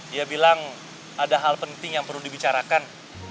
dia bilang ada hal penting yang perlu dibicarakan